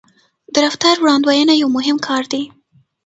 د رفتار وړاندوينه یو مهم کار دی.